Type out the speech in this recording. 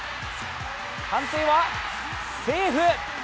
判定はセーフ。